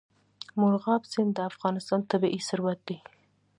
مورغاب سیند د افغانستان طبعي ثروت دی.